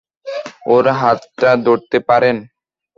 ওর হাতটা ধরতে পারেন?